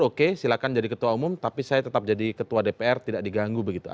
oke silahkan jadi ketua umum tapi saya tetap jadi ketua dpr tidak diganggu begitu